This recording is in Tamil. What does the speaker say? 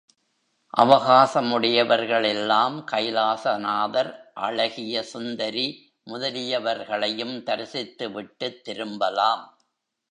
அவகாசம் உடையவர்கள் எல்லாம் கைலாசநாதர், அழகிய சுந்தரி முதலியவர்களையும் தரிசித்துவிட்டுத் திரும்பலாம்.